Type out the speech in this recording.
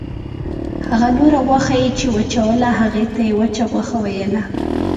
هغه نوره غوښه یې چې وچوله هغې ته یې وچه غوښه ویله.